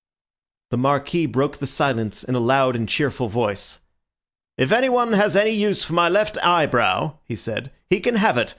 The Marquis broke the silence in a loud and cheerful voice. "If anyone has any use for my left eyebrow," he said, "he can have it.